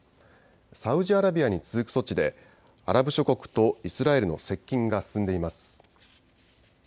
サウジアラビアに続く措置でアラブ諸国とイスラエルの接近が進んでいます。